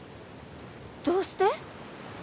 どうして？